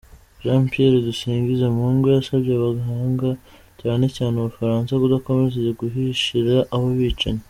Jean Pierre Dusingizemungu, yasabye amahanga cyane cyane u Bufaransa kudakomeza guhishira abo bicanyi.